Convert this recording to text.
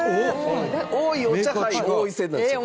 おいお茶杯王位戦なんですよ。